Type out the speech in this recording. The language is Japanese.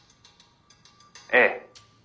「ええ。